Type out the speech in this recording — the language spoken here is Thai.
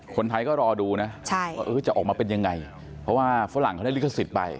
คนไทยก็รอดูนะว่าจะออกมาเป็นยังไงเพราะว่าฝรั่งเขาได้ลิขสิทธิ์ไป